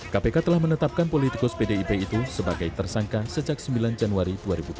kpk telah menetapkan politikus pdip itu sebagai tersangka sejak sembilan januari dua ribu tujuh belas